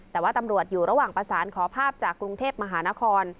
แต่ว่าตำรวจอยู่ระหว่างประสานขอภาพจากกรุงเทพมหานคร